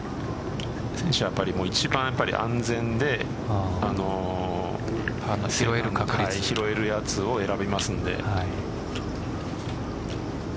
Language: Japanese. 選手は一番安全で拾えるやつを選べますんで。